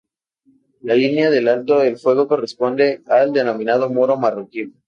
La línea del alto el fuego corresponde al denominado muro marroquí.